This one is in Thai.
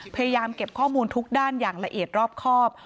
พยายามเก็บข้อมูลทุกด้านอย่างละเอียดรอบครอบ